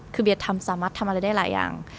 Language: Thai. คือเบียร์ทำสามารถทำอะไรได้หลายอย่าง